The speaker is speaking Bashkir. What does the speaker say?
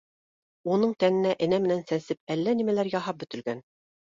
Уның тәненә энә менән сәнсеп әллә нәмәләр яһап бөтөлгән